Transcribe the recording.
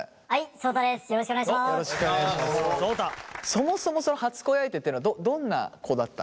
そもそもその初恋相手っていうのはどんな子だったの？